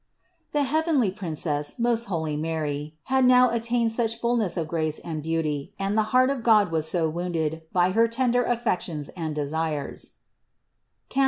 87. The heavenly Princess, most holy Mary, had now attained such fullness of grace and beauty and the heart of God was so wounded by her tender affections and desires (Cant.